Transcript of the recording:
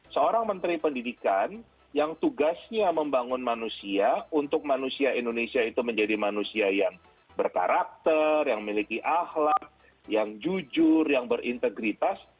seorang menteri pendidikan yang tugasnya membangun manusia untuk manusia indonesia itu menjadi manusia yang berkarakter yang memiliki ahlak yang jujur yang berintegritas